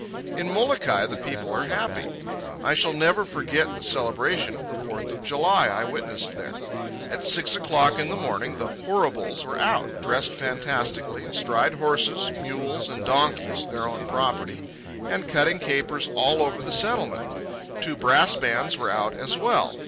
In Molokai the people are happy. I shall never forget the celebration of the Fourth of July I witnessed there. At six o'clock in the morning the "horribles" were out, dressed fantastically, astride horses, mules, and donkeys (their own property), and cutting capers all over the Settlement. Two brass bands were out as well.